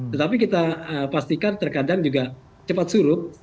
tetapi kita pastikan terkadang juga cepat surut